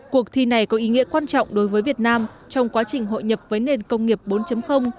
cuộc thi này có ý nghĩa quan trọng đối với việt nam trong quá trình hội nhập với nền công nghiệp bốn